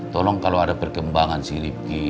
tolong kalo ada perkembangan si ripki